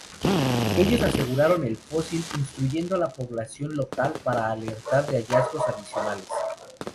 Ellos aseguraron el fósil, instruyendo a la población local para alertar de hallazgos adicionales.